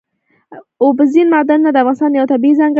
اوبزین معدنونه د افغانستان یوه طبیعي ځانګړتیا ده.